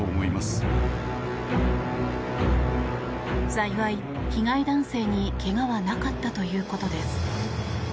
幸い、被害男性にけがはなかったということです。